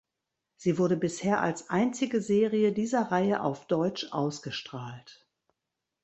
Sie wurde bisher als einzige Serie dieser Reihe auf Deutsch ausgestrahlt.